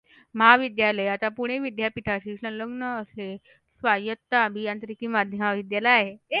महाविद्यालय आता पुणे विद्यापीठाशी संलग्न असलेले स्वायत्त अभियांत्रिकी महाविद्यालय आहे.